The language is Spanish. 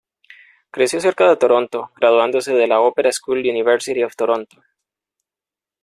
Creció cerca de Toronto graduándose de la "Opera School University of Toronto".